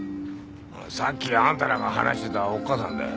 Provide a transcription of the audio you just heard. さっきあんたらが話してたおっかさんだよ。